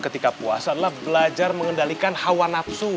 ketika puasa adalah belajar mengendalikan hawa nafsu